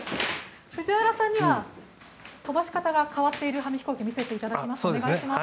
藤原さんには飛ばし方が変わっている紙ヒコーキを見せていただきます。